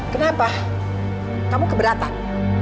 kenapa kamu keberatan